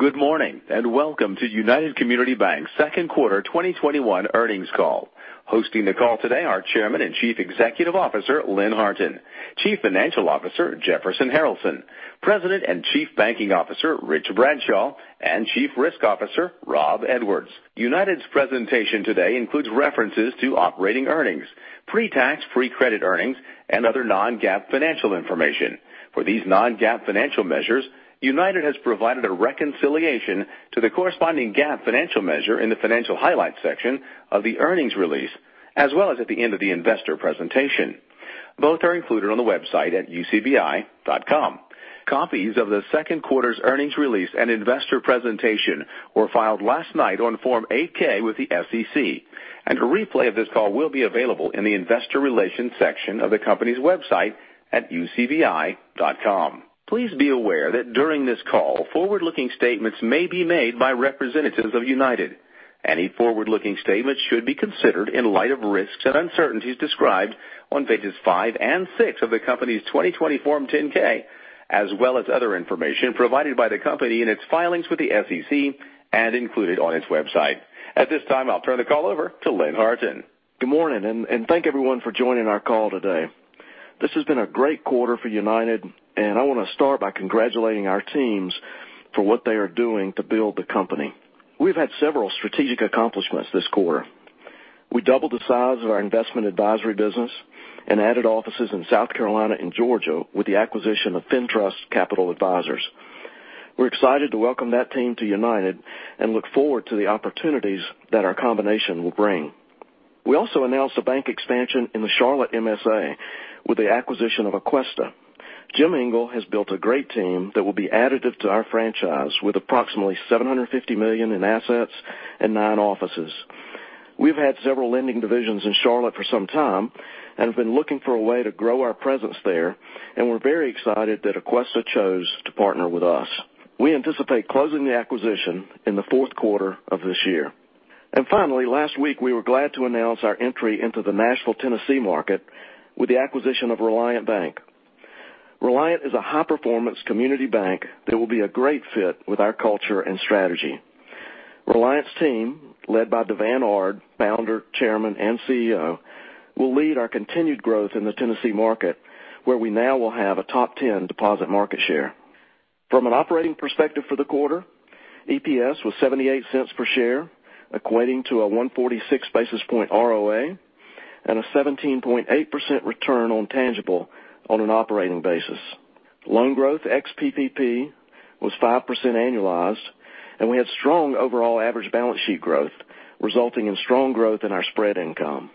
Good morning, and welcome to United Community Bank's Second Quarter 2021 Earnings Call. Hosting the call today are Chairman and Chief Executive Officer, Lynn Harton, Chief Financial Officer, Jefferson Harralson, President and Chief Banking Officer, Rich Bradshaw, and Chief Risk Officer, Rob Edwards. United's presentation today includes references to operating earnings, pre-tax pre-provision earnings, and other non-GAAP financial information. For these non-GAAP financial measures, United has provided a reconciliation to the corresponding GAAP financial measure in the financial highlights section of the earnings release, as well as at the end of the investor presentation. Both are included on the website at ucbi.com. Copies of the second quarter's earnings release and investor presentation were filed last night on Form 8-K with the SEC, and a replay of this call will be available in the investor relations section of the company's website at ucbi.com. Please be aware that during this call, forward-looking statements may be made by representatives of United. Any forward-looking statements should be considered in light of risks and uncertainties described on pages five and six of the company's 2020 Form 10-K, as well as other information provided by the company in its filings with the SEC and included on its website. At this time, I'll turn the call over to Lynn Harton. Good morning, and thank everyone for joining our call today. This has been a great quarter for United, and I want to start by congratulating our teams for what they are doing to build the company. We've had several strategic accomplishments this quarter. We doubled the size of our investment advisory business and added offices in South Carolina and Georgia with the acquisition of FinTrust Capital Advisors. We're excited to welcome that team to United and look forward to the opportunities that our combination will bring. We also announced a bank expansion in the Charlotte MSA with the acquisition of Aquesta. Jim Engel has built a great team that will be additive to our franchise, with approximately $750 million in assets and nine offices. We've had several lending divisions in Charlotte for some time and have been looking for a way to grow our presence there, and we're very excited that Aquesta chose to partner with us. We anticipate closing the acquisition in the fourth quarter of this year. And finally, last week, we were glad to announce our entry into the Nashville, Tennessee market with the acquisition of Reliant Bank. Reliant is a high-performance community bank that will be a great fit with our culture and strategy. Reliant's team, led by DeVan Ard, Founder, Chairman, and CEO, will lead our continued growth in the Tennessee market, where we now will have a top 10 deposit market share. From an operating perspective for the quarter, EPS was $0.78 per share, equating to a 146 basis point ROA and a 17.8% return on tangible on an operating basis. Loan growth ex PPP was 5% annualized. We had strong overall average balance sheet growth, resulting in strong growth in our spread income.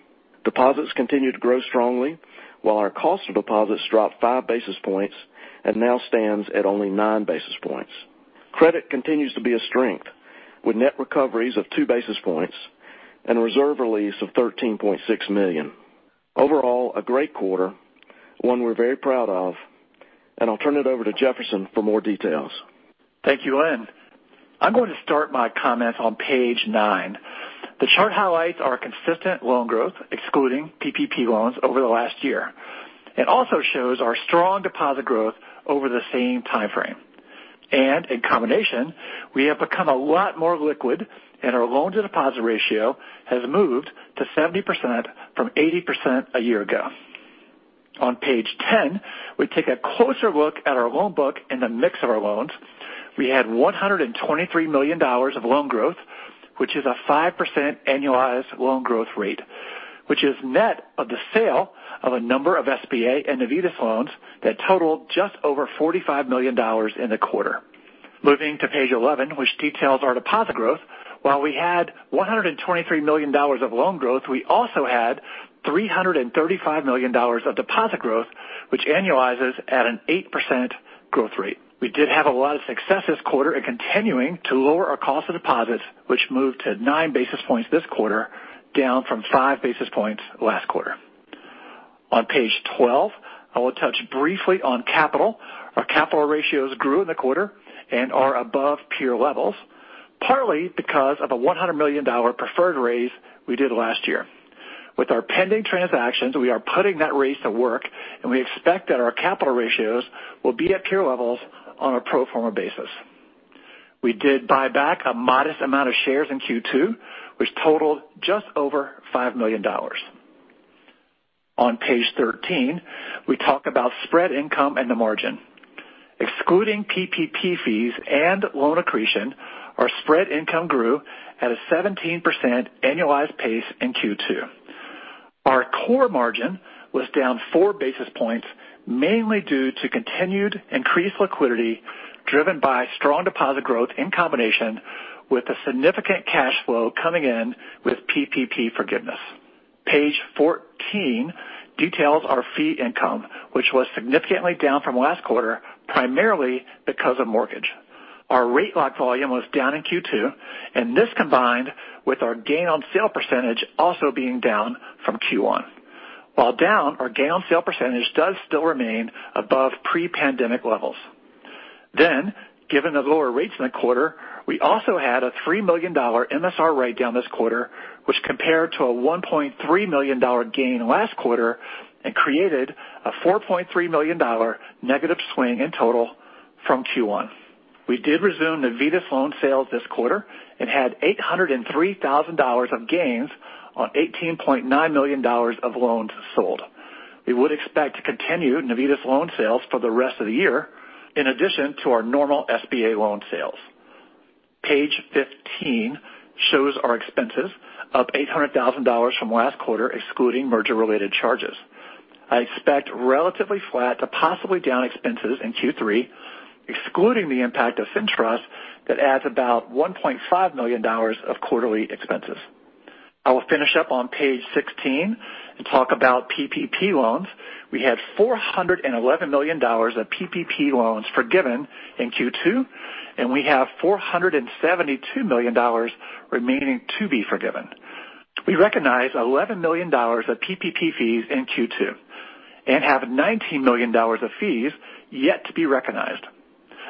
Deposits continued to grow strongly, while our cost of deposits dropped 5 basis points and now stands at only 9 basis points. Credit continues to be a strength, with net recoveries of 2 basis points and a reserve release of $13.6 million. Overall, a great quarter, one we're very proud of. And I'll turn it over to Jefferson for more details. Thank you, Lynn. I'm going to start my comments on page nine. The chart highlights our consistent loan growth, excluding PPP loans, over the last year. It also shows our strong deposit growth over the same time frame. And in combination, we have become a lot more liquid and our loan-to-deposit ratio has moved to 70% from 80% a year ago. On page 10, we take a closer look at our loan book and the mix of our loans. We had $123 million of loan growth, which is a 5% annualized loan growth rate, which is net of the sale of a number of SBA and Navitas loans that totaled just over $45 million in the quarter. Moving to page 11, which details our deposit growth. While we had $123 million of loan growth, we also had $335 million of deposit growth, which annualizes at an 8% growth rate. We did have a lot of success this quarter in continuing to lower our cost of deposits, which moved to 9 basis points this quarter, down from 5 basis points last quarter. On page 12, I will touch briefly on capital. Our capital ratios grew in the quarter and are above peer levels, partly because of a $100 million preferred raise we did last year. With our pending transactions, we are putting that raise to work, and we expect that our capital ratios will be at peer levels on a pro forma basis. We did buy back a modest amount of shares in Q2, which totaled just over $5 million. On page 13, we talk about spread income and the margin. Excluding PPP fees and loan accretion, our spread income grew at a 17% annualized pace in Q2. Our core margin was down 4 basis points, mainly due to continued increased liquidity, driven by strong deposit growth in combination with the significant cash flow coming in with PPP forgiveness. Page 14 details our fee income, which was significantly down from last quarter, primarily because of mortgage. Our rate lock volume was down in Q2, and this combined with our gain on sale percentage also being down from Q1. While down, our gain on sale percentage does still remain above pre-pandemic levels. Then, given the lower rates in the quarter, we also had a $3 million MSR write-down this quarter, which compared to a $1.3 million gain last quarter and created a $4.3 million negative swing in total from Q1. We did resume Navitas loan sales this quarter and had $803,000 of gains on $18.9 million of loans sold. We would expect to continue Navitas loan sales for the rest of the year in addition to our normal SBA loan sales. Page 15 shows our expenses up $800,000 from last quarter, excluding merger related charges. I expect relatively flat to possibly down expenses in Q3, excluding the impact of FinTrust that adds about $1.5 million of quarterly expenses. I will finish up on page 16 and talk about PPP loans. We had $411 million of PPP loans forgiven in Q2, and we have $472 million remaining to be forgiven. We recognize $11 million of PPP fees in Q2 and have $19 million of fees yet to be recognized,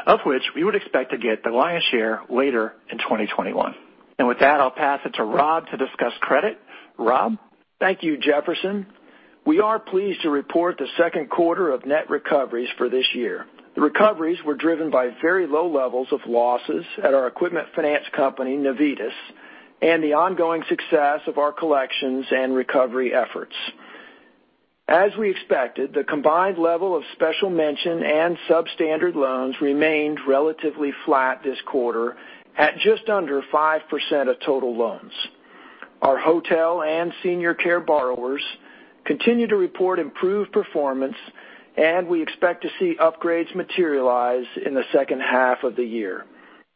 of which we would expect to get the lion's share later in 2021. And with that, I'll pass it to Rob to discuss credit. Rob? Thank you, Jefferson. We are pleased to report the second quarter of net recoveries for this year. The recoveries were driven by very low levels of losses at our equipment finance company, Navitas, and the ongoing success of our collections and recovery efforts. As we expected, the combined level of special mention and substandard loans remained relatively flat this quarter at just under 5% of total loans. Our hotel and senior care borrowers continue to report improved performance, and we expect to see upgrades materialize in the second half of the year.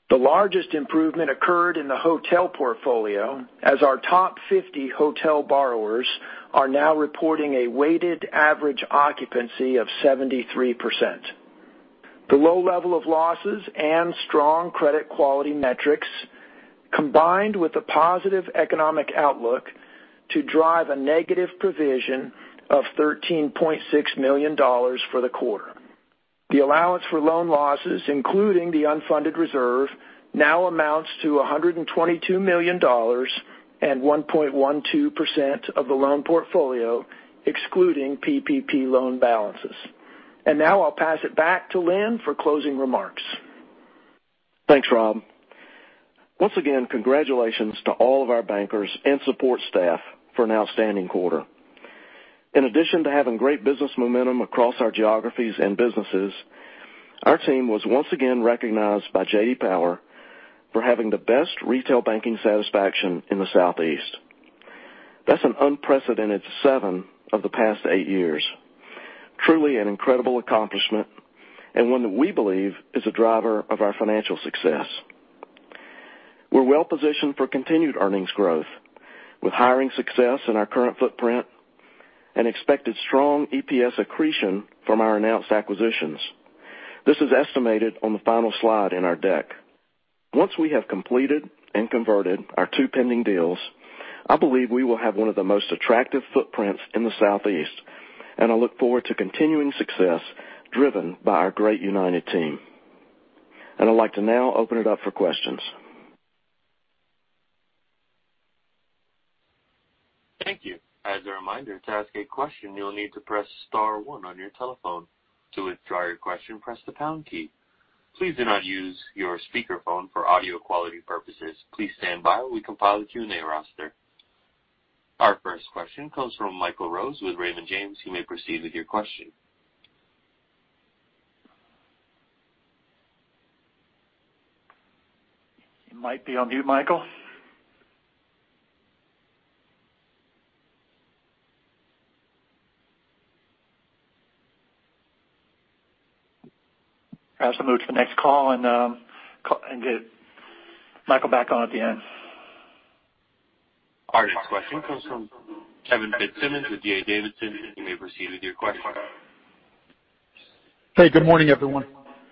The largest improvement occurred in the hotel portfolio, as our top 50 hotel borrowers are now reporting a weighted average occupancy of 73%. The low level of losses and strong credit quality metrics, combined with the positive economic outlook to drive a negative provision of $13.6 million for the quarter. The allowance for loan losses, including the unfunded reserve, now amounts to $122 million and 1.12% of the loan portfolio, excluding PPP loan balances. And now I'll pass it back to Lynn for closing remarks. Thanks, Rob. Once again, congratulations to all of our bankers and support staff for an outstanding quarter. In addition to having great business momentum across our geographies and businesses, our team was once again recognized by J.D. Power for having the best retail banking satisfaction in the Southeast. That's an unprecedented seven of the past eight years. Truly an incredible accomplishment and one that we believe is a driver of our financial success. We're well-positioned for continued earnings growth, with hiring success in our current footprint and expected strong EPS accretion from our announced acquisitions. This is estimated on the final slide in our deck. Once we have completed and converted our two pending deals, I believe we will have one of the most attractive footprints in the Southeast, and I look forward to continuing success driven by our great United team. And I'd like to now open it up for questions. Thank you. As a reminder, to ask a question, you'll need to press star one on your telephone. To withdraw your question, press the pound key. Please do not use your speakerphone for audio quality purposes. Please stand by while we compile the Q&A roster. Our first question comes from Michael Rose with Raymond James. You may proceed with your question. You might be on mute, Michael. Perhaps I'll move to the next call and get Michael back on at the end. Our next question comes from Kevin Fitzsimmons with D.A. Davidson. Hey, good morning, everyone.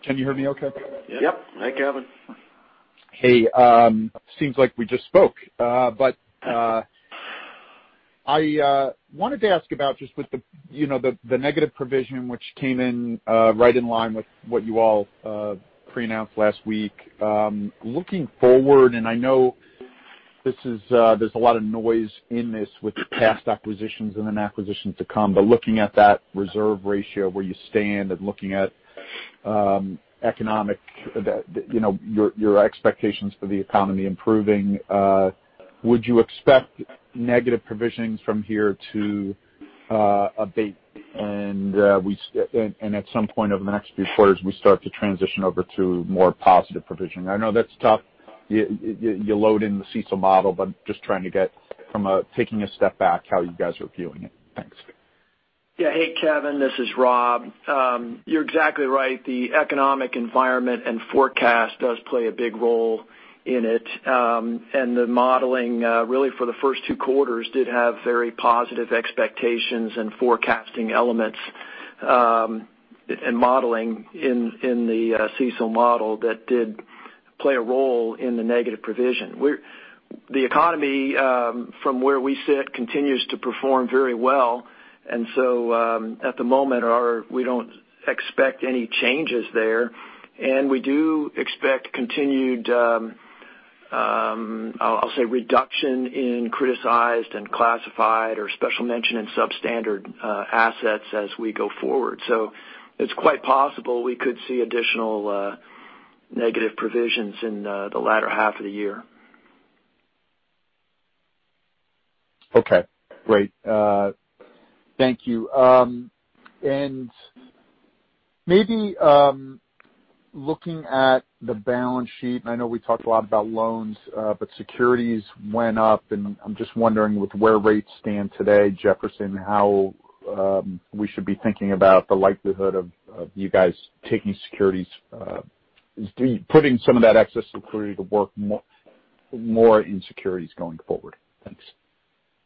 Can you hear me okay? Yep. Hey, Kevin. Hey, seems like we just spoke. I wanted to ask about just with the negative provision, which came in right in line with what you all pre-announced last week. Looking forward, I know there's a lot of noise in this with past acquisitions and then acquisitions to come, but looking at that reserve ratio where you stand and looking at your expectations for the economy improving, would you expect negative provisions from here to abate and at some point over the next few quarters, we start to transition over to more positive provisioning? I know that's tough. You load in the CECL model, but just trying to get from a taking a step back, how you guys are viewing it. Thanks. Yeah. Hey, Kevin. This is Rob. You're exactly right. The economic environment and forecast does play a big role in it. And the modeling, really, for the first two quarters, did have very positive expectations and forecasting elements and modeling in the CECL model that did play a role in the negative provision. The economy, from where we sit, continues to perform very well. And so, at the moment, we don't expect any changes there, and we do expect continued, I'll say reduction in criticized and classified or special mention in substandard assets as we go forward. It's quite possible we could see additional negative provisions in the latter half of the year. Okay, great. Thank you. And maybe looking at the balance sheet, I know we talked a lot about loans, but securities went up, I'm just wondering with where rates stand today, Jefferson, how we should be thinking about the likelihood of you guys putting some of that excess security to work more in securities going forward. Thanks.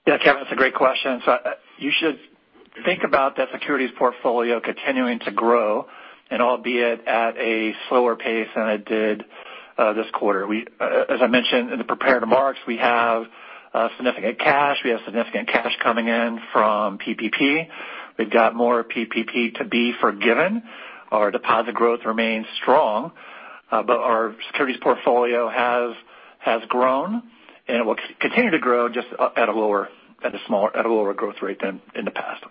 Yeah, Kevin, that's a great question. You should think about that securities portfolio continuing to grow, and albeit at a slower pace than it did this quarter. As I mentioned in the prepared remarks, we have significant cash. We have significant cash coming in from PPP. We've got more PPP to be forgiven. Our deposit growth remains strong, but our securities portfolio has grown, and it will continue to grow just at a lower growth rate than in the past.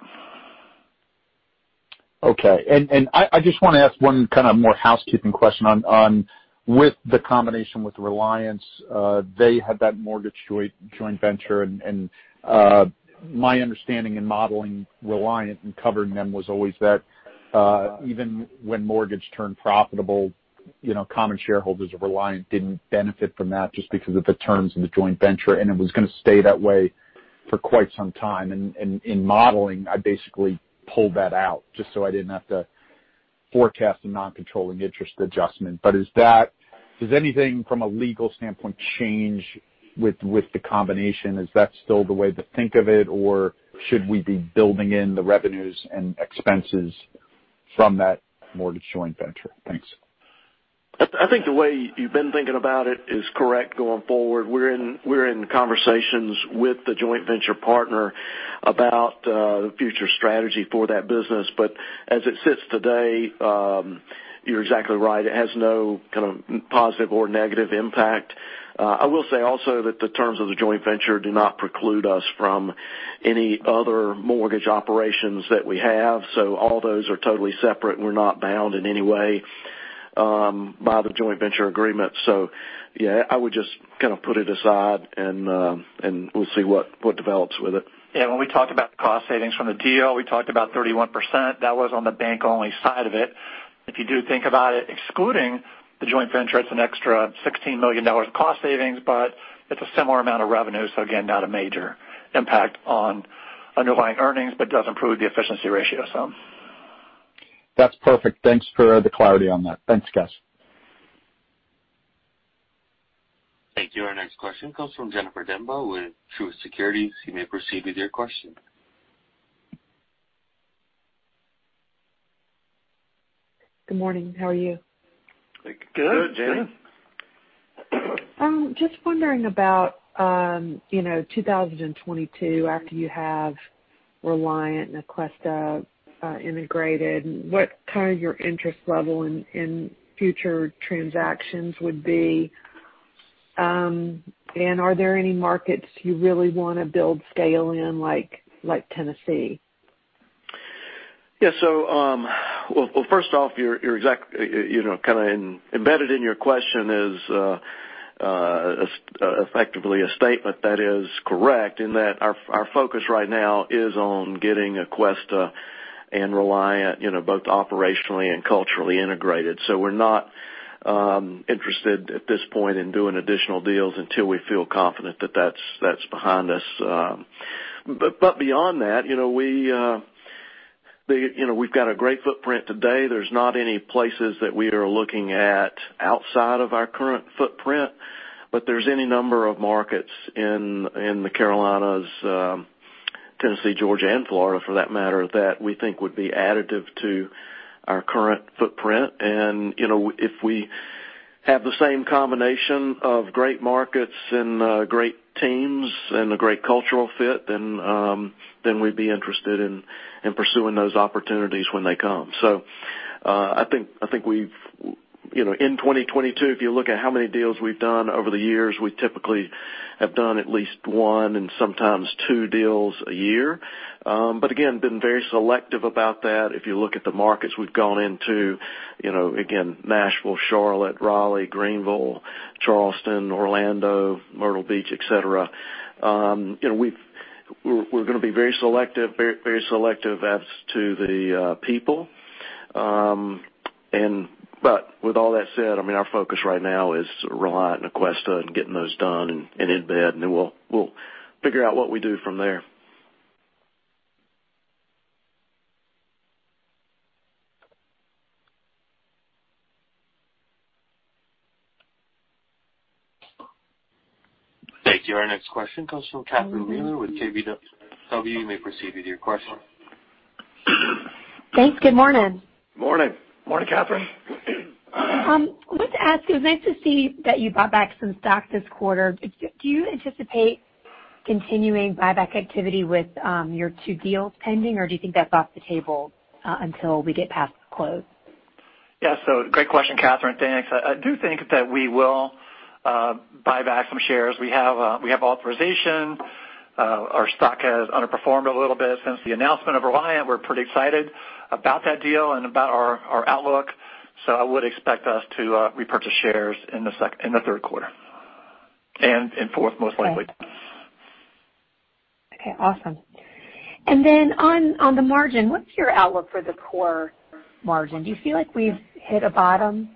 Okay. And I just want to ask one kind of more housekeeping question on with the combination with Reliant. They had that mortgage joint venture, and my understanding in modeling Reliant and covering them was always that even when mortgage turned profitable, common shareholders of Reliant didn't benefit from that just because of the terms in the joint venture, and it was going to stay that way for quite some time. In modeling, I basically pulled that out just so I didn't have to forecast a non-controlling interest adjustment. Does anything from a legal standpoint change with the combination? Is that still the way to think of it, or should we be building in the revenues and expenses from that mortgage joint venture? Thanks. I think the way you've been thinking about it is correct going forward. We're in conversations with the joint venture partner about the future strategy for that business. As it sits today, you're exactly right. It has no kind of positive or negative impact. I will say also that the terms of the joint venture do not preclude us from any other mortgage operations that we have. All those are totally separate, and we're not bound in any way by the joint venture agreement. Yeah, I would just kind of put it aside, and we'll see what develops with it. And when we talked about cost savings from the deal, we talked about 31%. That was on the bank-only side of it. If you do think about it, excluding the joint venture, it's an extra $16 million cost savings, but it's a similar amount of revenue. Again, not a major impact on underlying earnings, but does improve the efficiency ratio, so. That's perfect. Thanks for the clarity on that. Thanks, guys. Thank you. Our next question comes from Jennifer Demba with Truist Securities. You may proceed with your question. Good morning. How are you? Good, good. Good, Jen. Just wondering about 2022 after you have Reliant and Aquesta integrated, what kind of your interest level in future transactions would be? And are there any markets you really want to build scale in like Tennessee? Yeah, so. Well, first off, kind of embedded in your question is effectively a statement that is correct, in that our focus right now is on getting Aquesta and Reliant both operationally and culturally integrated. We're not interested at this point in doing additional deals until we feel confident that that's behind us. But beyond that, we've got a great footprint today. There's not any places that we are looking at outside of our current footprint, but there's any number of markets in the Carolinas, Tennessee, Georgia, and Florida for that matter, that we think would be additive to our current footprint. If we have the same combination of great markets and great teams and a great cultural fit, then we'd be interested in pursuing those opportunities when they come. I think in 2022, if you look at how many deals we've done over the years, we typically have done at least one and sometimes two deals a year. Again, been very selective about that. If you look at the markets we've gone into, again, Nashville, Charlotte, Raleigh, Greenville, Charleston, Orlando, Myrtle Beach, et cetera. We're going to be very selective as to the people. With all that said, our focus right now is Reliant, Aquesta, and getting those done and in bed, and then we'll figure out what we do from there. Thank you. Our next question comes from Catherine Mealor with KBW. You may proceed with your question. Thanks. Good morning. Morning. Morning, Catherine. I wanted to ask, it was nice to see that you bought back some stock this quarter. Do you anticipate continuing buyback activity with your two deals pending, or do you think that's off the table until we get past the close? Yes. Great question, Catherine. Thanks. I do think that we will buy back some shares. We have authorization. Our stock has underperformed a little bit since the announcement of Reliant. We're pretty excited about that deal and about our outlook. I would expect us to repurchase shares in the third quarter, and in fourth, most likely. Okay, awesome. And then on the margin, what's your outlook for the core margin? Do you feel like we've hit a bottom?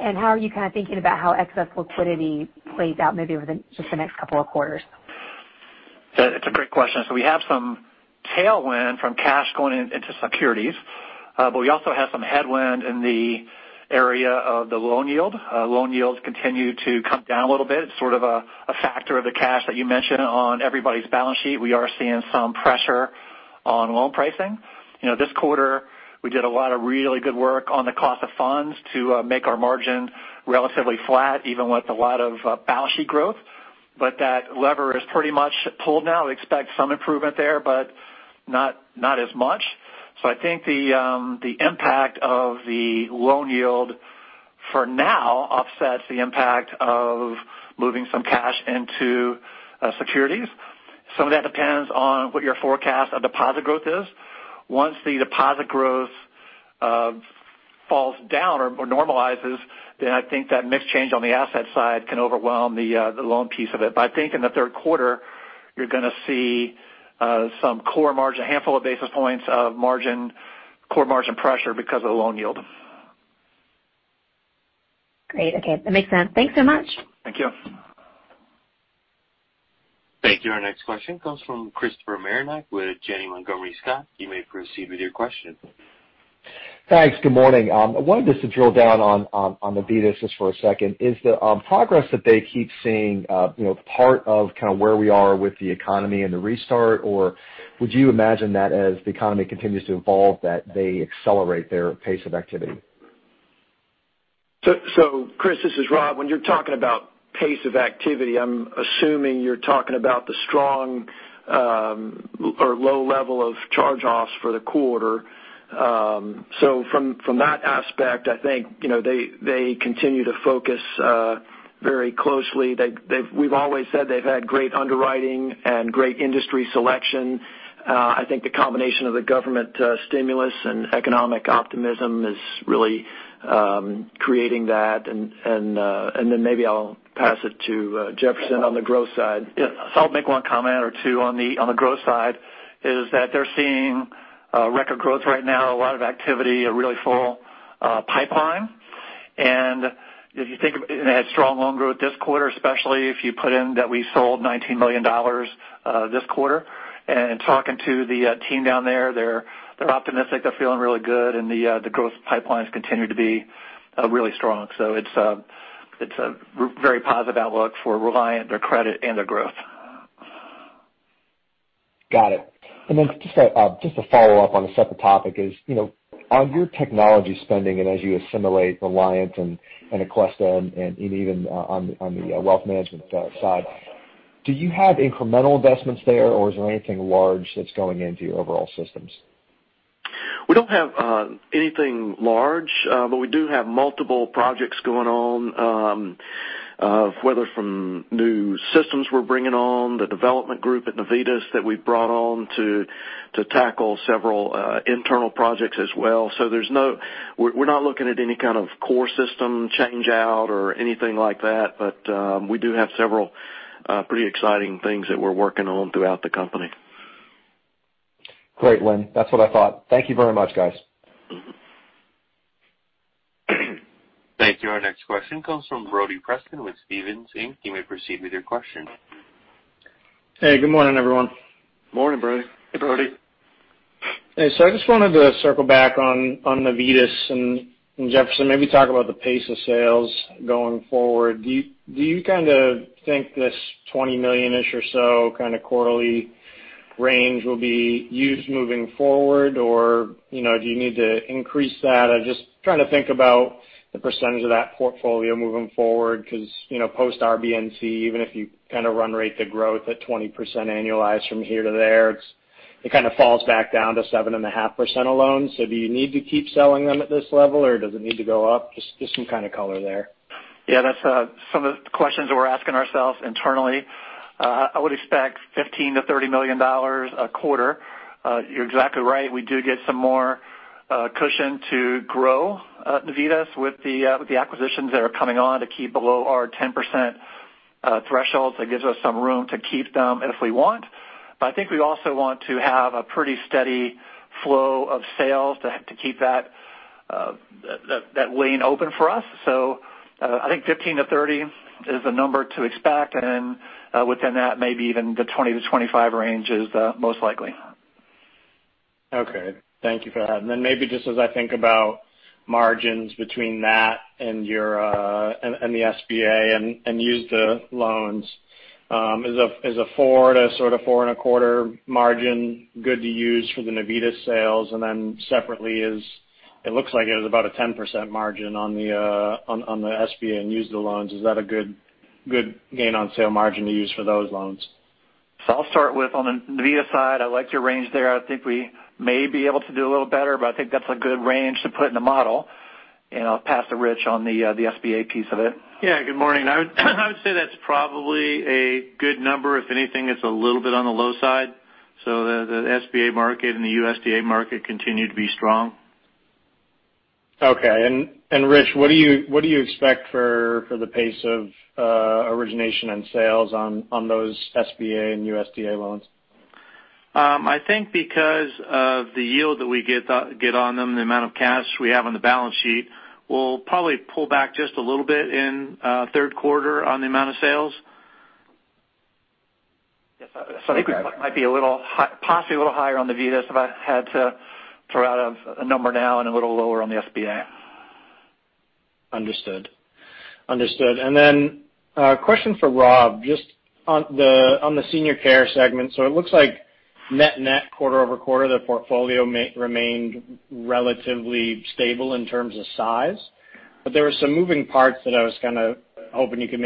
How are you kind of thinking about how excess liquidity plays out maybe within just the next couple of quarters? It's a great question. We have some tailwind from cash going into securities. We also have some headwind in the area of the loan yield. Loan yields continue to come down a little bit, sort of a factor of the cash that you mentioned on everybody's balance sheet. We are seeing some pressure on loan pricing. This quarter, we did a lot of really good work on the cost of funds to make our margin relatively flat, even with a lot of balance sheet growth. That lever is pretty much pulled now. We expect some improvement there, but not as much. I think the impact of the loan yield for now offsets the impact of moving some cash into securities. Some of that depends on what your forecast of deposit growth is. Once the deposit growth falls down or normalizes, I think that mix change on the asset side can overwhelm the loan piece of it. I think in the third quarter, you're going to see some core margin, a handful of basis points of margin, core margin pressure because of the loan yield. Great. Okay. That makes sense. Thanks so much. Thank you. Thank you. Our next question comes from Chris Marinac with Janney Montgomery Scott. You may proceed with your question. Thanks. Good morning. I wanted just to drill down on Navitas just for a second. Is the progress that they keep seeing part of where we are with the economy and the restart? Or would you imagine that as the economy continues to evolve, that they accelerate their pace of activity? Chris, this is Rob. When you're talking about pace of activity, I'm assuming you're talking about the strong or low level of charge-offs for the quarter. From that aspect, I think they continue to focus very closely. We've always said they've had great underwriting and great industry selection. I think the combination of the government stimulus and economic optimism is really creating that, maybe I'll pass it to Jefferson on the growth side. Yeah. I'll make one comment or two on the growth side is that they're seeing record growth right now, a lot of activity, a really full pipeline. And if you think- they had strong loan growth this quarter, especially if you put in that we sold $19 million this quarter. Talking to the team down there, they're optimistic. They're feeling really good, and the growth pipelines continue to be really strong. It's a very positive outlook for Reliant, their credit, and their growth. Got it. Then just a follow-up on a separate topic is, on your technology spending and as you assimilate Reliant and Aquesta and even on the wealth management side, do you have incremental investments there, or is there anything large that's going into your overall systems? We don't have anything large, but we do have multiple projects going on, whether from new systems we're bringing on, the development group at Navitas that we brought on to tackle several internal projects as well. We're not looking at any kind of core system change-out or anything like that. But we do have several pretty exciting things that we're working on throughout the company. Great, Lynn. That's what I thought. Thank you very much, guys. Thank you. Our next question comes from Brody Preston with Stephens Inc. You may proceed with your question. Hey, good morning, everyone. Morning, Brody. Hey, Brody. Hey, I just wanted to circle back on Navitas, and Jefferson, maybe talk about the pace of sales going forward. Do you kind of think this $20 million-ish or so kind of quarterly range will be used moving forward? Do you need to increase that? I'm just trying to think about the percentage of that portfolio moving forward because post RBNC, even if you kind of run rate the growth at 20% annualized from here to there, it kind of falls back down to 7.5% alone. Do you need to keep selling them at this level, or does it need to go up? Just some kind of color there. Yeah, that's some of the questions that we're asking ourselves internally. I would expect $15 million-$30 million a quarter. You're exactly right. We do get some more cushion to grow Navitas with the acquisitions that are coming on to keep below our 10% threshold. That gives us some room to keep them if we want. I think we also want to have a pretty steady flow of sales to keep that lane open for us. I think 15 to 30 is the number to expect. Within that, maybe even the 20 to 25 range is the most likely. Okay. Thank you for that. Maybe just as I think about margins between that and the SBA and USDA loans. Is a 4%-4.25% margin good to use for the Navitas sales? And then, separately, it looks like it is about a 10% margin on the SBA and USDA loans. Is that a good gain on sale margin to use for those loans? I'll start with on the Navitas side, I like your range there. I think we may be able to do a little better, but I think that's a good range to put in the model, and I'll pass to Rich on the SBA piece of it. Yeah. Good morning. I would say that's probably a good number. If anything, it's a little bit on the low side. The SBA market and the USDA market continue to be strong. Okay. And Rich, what do you expect for the pace of origination and sales on those SBA and USDA loans? I think because of the yield that we get on them, the amount of cash we have on the balance sheet, we'll probably pull back just a little bit in third quarter on the amount of sales. Yes. I think we might be possibly a little higher on the Navitas if I had to throw out a number now and a little lower on the SBA. Understood. A question for Rob, just on the senior care segment. It looks like net-net quarter-over-quarter, the portfolio remained relatively stable in terms of size, but there were some moving parts that I was kind of hoping you could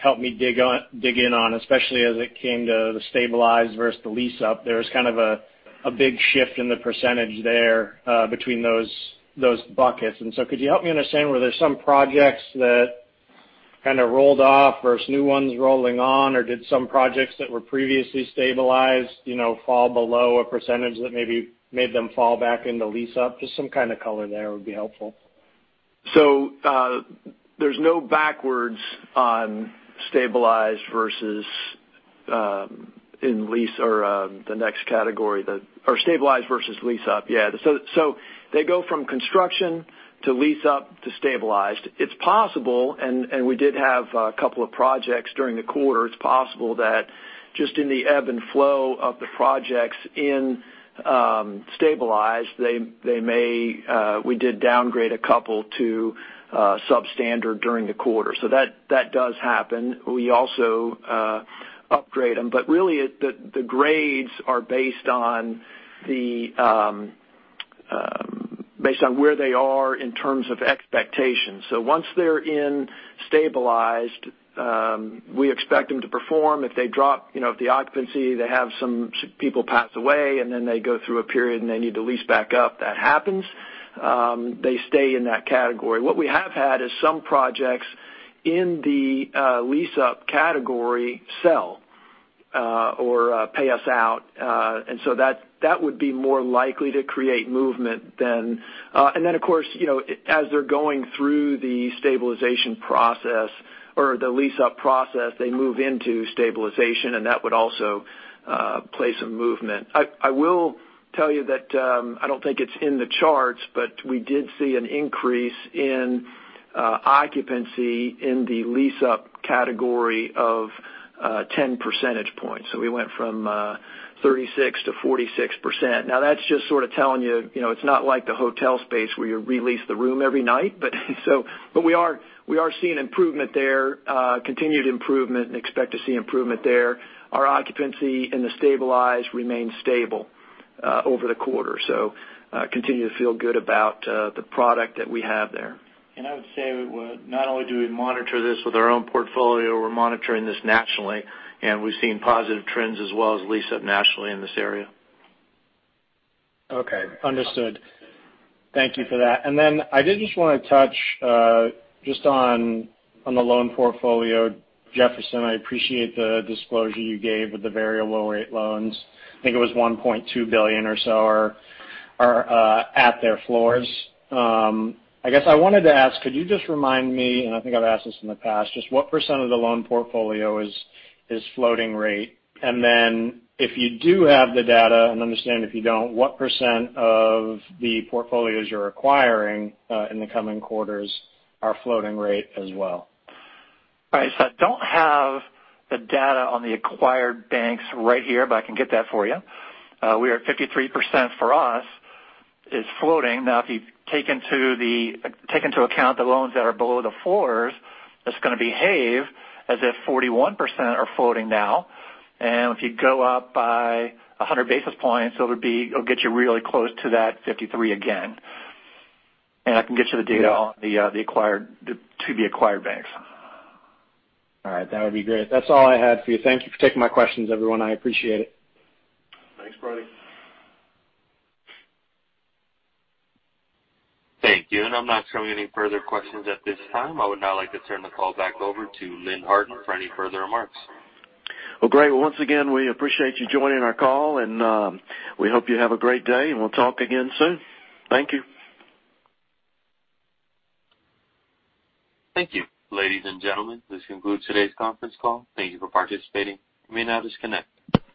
help me dig in on, especially as it came to the stabilized versus the lease up. There was kind of a big shift in the % there between those buckets. Could you help me understand, were there some projects that kind of rolled off versus new ones rolling on? Did some projects that were previously stabilized fall below a % that maybe made them fall back into lease up? Just some kind of color there would be helpful. There's no backwards on stabilized versus in lease or the next category that- or stabilized versus lease up, yeah. They go from construction to lease up to stabilized. It's possible, and we did have a couple of projects during the quarter, it's possible that just in the ebb and flow of the projects in stabilized, we did downgrade a couple to substandard during the quarter. That does happen. We also upgrade them. Really, the grades are based on where they are in terms of expectations. Once they're in stabilized, we expect them to perform. If they drop the occupancy, they have some people pass away, and then they go through a period and they need to lease back up, that happens. They stay in that category. But what we have had is some projects in the lease-up category sell or pay us out. That would be more likely to create movement then. And of course, as they're going through the stabilization process or the lease-up process, they move into stabilization, and that would also play some movement. I will tell you that, I don't think it's in the charts, but we did see an increase in occupancy in the lease-up category of 10 percentage points. We went from 36% to 46%. That's just sort of telling you it's not like the hotel space where you re-lease the room every night. We are seeing improvement there, continued improvement, and expect to see improvement there. Our occupancy in the stabilized remains stable over the quarter. Continue to feel good about the product that we have there. And I would say, not only do we monitor this with our own portfolio, we're monitoring this nationally, and we've seen positive trends as well as lease-up nationally in this area. Okay. Understood. Thank you for that. And then, I did just want to touch just on the loan portfolio. Jefferson, I appreciate the disclosure you gave with the variable rate loans. I think it was $1.2 billion or so are at their floors. I guess I wanted to ask, could you just remind me, and I think I've asked this in the past, just what percent of the loan portfolio is floating rate? And then, if you do have the data, and understand if you don't, what percent of the portfolios you're acquiring in the coming quarters are floating rate as well? All right. I don't have the data on the acquired banks right here, but I can get that for you. We are 53% for us is floating. Now, if you take into account the loans that are below the floors, it's going to behave as if 41% are floating now. If you go up by 100 basis points, it'll get you really close to that 53% again. And I can get you the data on to the acquired banks. All right. That would be great. That's all I had for you. Thank you for taking my questions, everyone. I appreciate it. Thanks, Brody. Thank you. I'm not showing any further questions at this time. I would now like to turn the call back over to Lynn Harton for any further remarks. Well, great. Well, once again, we appreciate you joining our call, and we hope you have a great day, and we'll talk again soon. Thank you. Thank you. Ladies and gentlemen, this concludes today's conference call. Thank you for participating. You may now disconnect.